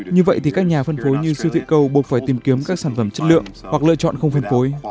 như vậy thì các nhà phân phối như siêu thị cầu buộc phải tìm kiếm các sản phẩm chất lượng hoặc lựa chọn không phân phối